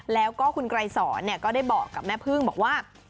แล้วก็คุณไกรสอนก็ได้บอกกับแม่พึ่งบอกว่า